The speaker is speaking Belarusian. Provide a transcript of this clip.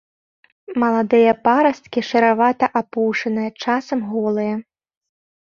Маладыя парасткі шэравата-апушаныя, часам голыя.